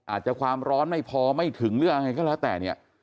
อาจจะความร้อนไม่พอไม่ถึงหรืออะไรก็แล้วแต่เนี่ย